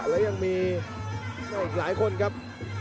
และยังมีอีกหลายคนครับ